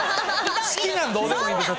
好きなんどうでもいいんですよ。